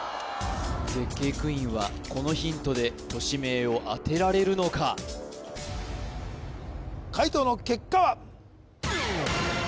絶景クイーンはこのヒントで都市名を当てられるのか解答の結果は？